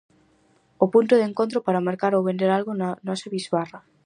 O punto de encontro para mercar ou vender algo na nosa bisbarra.